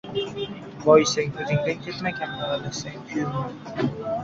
• Boyisang ― o‘zingdan ketma, kambag‘allashsang ― kuyinma.